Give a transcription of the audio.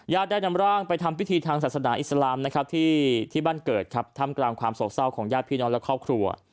ได้นำร่างไปทำพิธีทางศาสนาอิสลามนะครับที่บ้านเกิดครับทำกลางความโศกเศร้าของญาติพี่น้องและครอบครัว